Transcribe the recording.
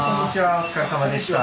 お疲れさまでした。